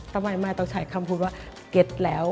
ต้องใช้คำพูดว่าเก็ตแล้ว